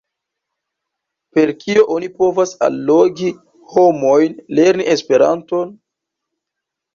Per kio oni povas allogi homojn lerni Esperanton?